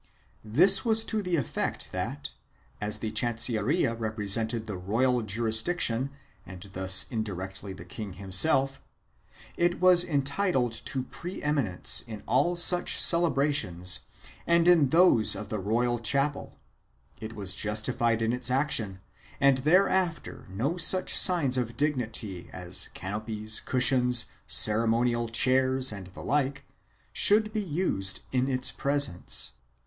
This was to the effect that, as the chancil leria represented the royal jurisdiction, and thus indirectly the king himself, it was entitled to pre eminence in all such celebra tions and in those of the royal chapel; it was justified in its action and thereafter no such signs of dignity as canopies, cushions, ceremonial chairs and the like should be used in its presence.